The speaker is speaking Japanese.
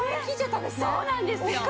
そうなんですよ！